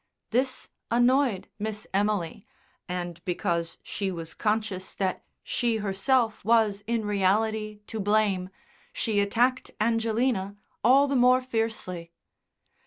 This annoyed Miss Emily, and because she was conscious that she herself was in reality to blame, she attacked Angelina all the more fiercely.